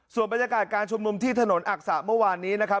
ส่วนบรรยากาศการชุมนุมที่ถนนอักษะเมื่อวานนี้นะครับ